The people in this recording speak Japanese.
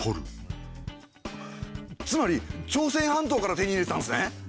つまり朝鮮半島から手に入れてたんすね。